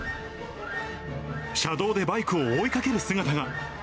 車道でバイクを追いかける姿が。